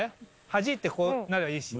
はじいてこうなりゃいいし。